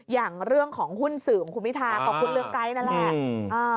อย่างเรื่องของหุ้นสื่อของคุณพิทากับคุณเรืองไกรนั่นแหละ